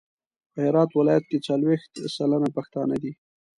په هرات ولایت کې څلویښت سلنه پښتانه دي.